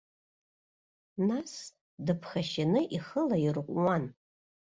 Нас, дыԥхашьаны ихы лаирҟәуан.